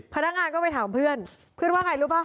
พนักงานก็ไปถามเพื่อนเพื่อนว่าไงรู้ป่ะ